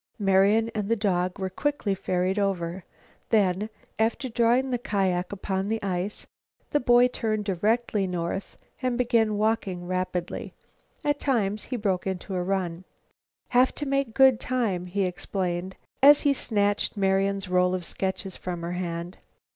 Marian and the dog were quickly ferried over. Then, after drawing the kiak upon the ice, the boy turned directly north and began walking rapidly. At times he broke into a run. "Have to make good time," he explained as he snatched Marian's roll of sketches from her hand.